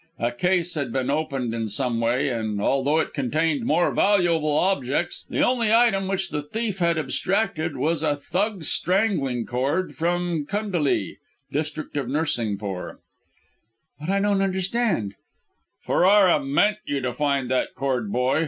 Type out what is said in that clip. A case had been opened in some way, and, although it contained more valuable objects, the only item which the thief had abstracted was a Thug's strangling cord from Kundélee (district of Nursingpore).'" "But, I don't understand " "Ferrara meant you to find that cord, boy!